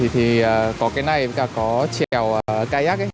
thì có cái này và có chèo kayak ấy